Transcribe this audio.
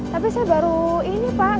tapi saya baru ini pak